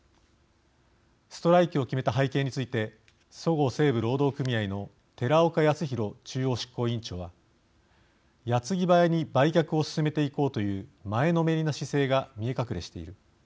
ストライキを決めた背景についてそごう・西武労働組合の寺岡泰博中央執行委員長は矢継ぎ早に売却を進めていこうという前のめりの姿勢が見え隠れしている。